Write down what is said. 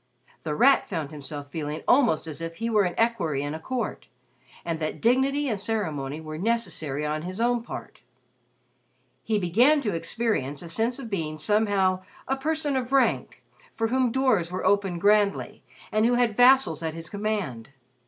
The Rat found himself feeling almost as if he were an equerry in a court, and that dignity and ceremony were necessary on his own part. He began to experience a sense of being somehow a person of rank, for whom doors were opened grandly and who had vassals at his command.